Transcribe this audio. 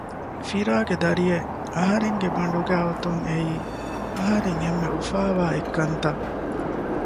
ފިރާގެ ދަރިއެއް އަހަރެންގެ ބަނޑުގައި އޮތުން އެއީ އަހަރެން އެންމެ އުފާވާ އެއްކަންތައް